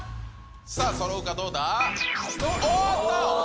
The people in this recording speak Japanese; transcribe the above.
さあ、そろうか、どうだ？